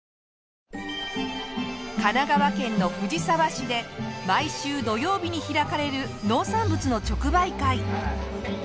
神奈川県の藤沢市で毎週土曜日に開かれる農産物の直売会。